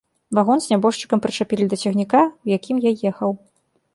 Вагон з нябожчыкам прычапілі да цягніка, у якім я ехаў.